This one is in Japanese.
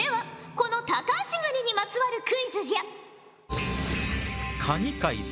このタカアシガニにまつわるクイズじゃ。